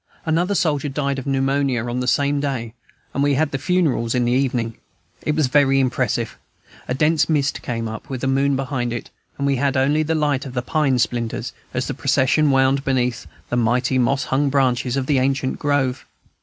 Another soldier died of pneumonia on the same day, and we had the funerals in the evening. It was very impressive. A dense mist came up, with a moon behind it, and we had only the light of pine splinters, as the procession wound along beneath the mighty, moss hung branches of the ancient grove.